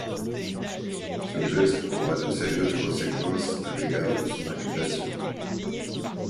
Ce geste aura de sérieuses conséquences à l’égard de son accusation.